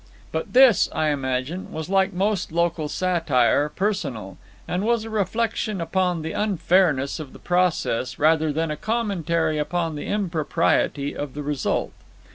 But this, I imagine, was, like most local satire, personal; and was a reflection upon the unfairness of the process rather than a commentary upon the impropriety of the result.